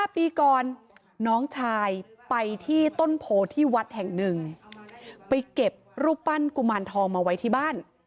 ปีก่อนน้องชายไปที่ต้นโพที่วัดแห่งหนึ่งไปเก็บรูปปั้นกุมารทองมาไว้ที่บ้าน